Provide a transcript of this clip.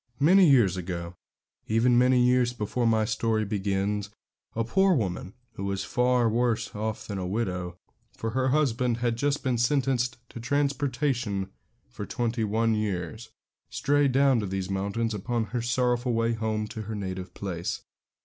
Many years ago, even many years before my story begins, a poor woman who was far worse off than a widow, for her husband had just been sentenced to transportation for twenty one years strayed down to these mountains upon her sorrowful way home to her native place.